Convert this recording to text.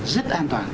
rất an toàn